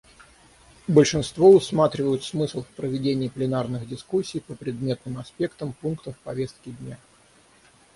Большинство усматривают смысл в проведении пленарных дискуссий по предметным аспектам пунктов повестки дня.